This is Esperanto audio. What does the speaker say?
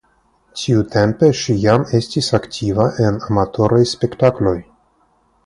Tiutempe ŝi jam estis aktiva en amatoraj spektakloj.